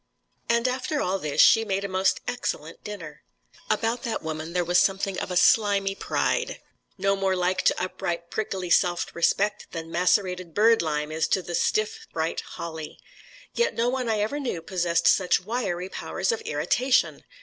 And after all this, she made a most excellent dinner. About that woman there was something of a slimy pride, no more like to upright prickly self respect than macerated bird lime is to the stiff bright holly. Yet no one I ever knew possessed such wiry powers of irritation.